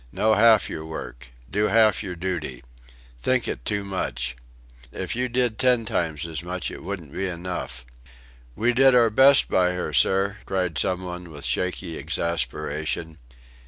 Know half your work. Do half your duty. Think it too much. If you did ten times as much it wouldn't be enough." "We did our best by her, sir," cried some one with shaky exasperation.